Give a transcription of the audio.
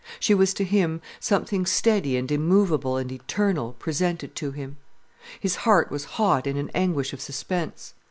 She was to him something steady and immovable and eternal presented to him. His heart was hot in an anguish of suspense.